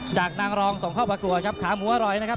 จากนางรองส่งเข้าประกวดขามหัวรอยนะครับ